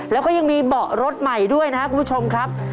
แล้วก็ยังมีเบาะรถใหม่ด้วยนะครับคุณผู้ชมครับ